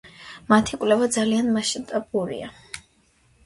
მათი კვლევა ძალიან მასშტაბურია.